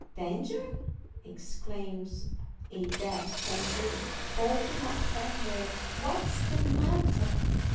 "Danger!" exclaims a deaf old lady, poking up her head. "What's the matter?